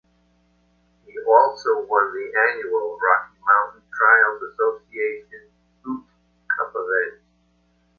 He also won the annual Rocky Mountain Trials Association Ute Cup event.